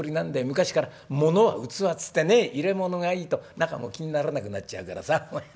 昔から『物は器』っつってね入れ物がいいと中も気にならなくなっちゃうからさ。